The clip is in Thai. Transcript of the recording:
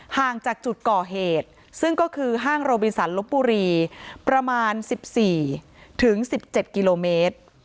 ห่างจากจุดก่อเหตุซึ่งก็คือห้างโรบินสันลบบุรีประมาณ๑๔ถึง๑๗กิโลเมตร